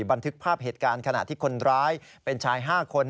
บันทึกภาพเหตุการณ์ขณะที่คนร้ายเป็นชาย๕คน